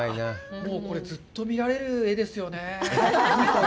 もうこれ、ずっと見られる画ですよね。